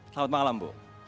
selamat malam bu